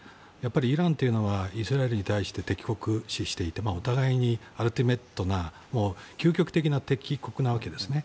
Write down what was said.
イランというのはイスラエルに対し敵国視していてお互いにアルティメットな究極的な敵国なわけですね。